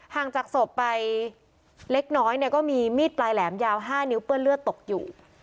ห่างจากศพไปเล็กน้อยเนี่ยก็มีมีดปลายแหลมยาว๕นิ้วเปื้อนเลือดตกอยู่